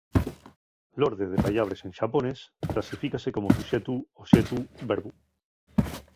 L'orde de pallabres en xaponés clasifícase como suxetu oxetu verbu.